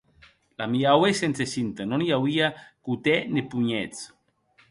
L'amiaue sense cinta; non i auie cothèr ne punhets.